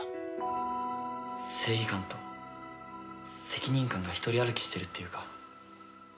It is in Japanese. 正義感と責任感が一人歩きしてるっていうか。